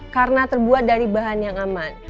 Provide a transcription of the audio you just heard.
karena terbuat dari bahan yang aman